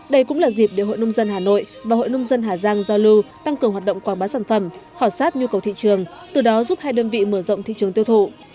đây cũng là dịp để hội nông dân hà nội và hội nông dân hà giang giao lưu tăng cường hoạt động quảng bá sản phẩm hỏi sát nhu cầu thị trường từ đó giúp hai đơn vị mở rộng thị trường tiêu thụ